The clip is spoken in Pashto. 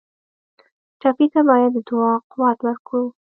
ټپي ته باید د دعا قوت ورکړو.